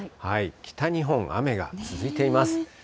北日本、雨が続いています。